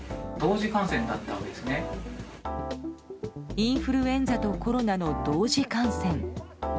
インフルエンザとコロナの同時感染。